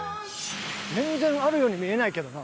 全然あるように見えないけどな。